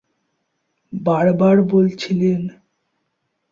বারবার বলছিলেন।